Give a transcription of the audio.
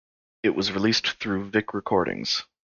It was released through Vik Recordings.